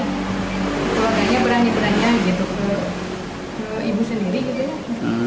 keluarganya berani berani gitu ke ibu sendiri gitu